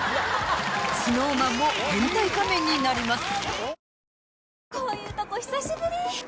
ＳｎｏｗＭａｎも変態仮面になります。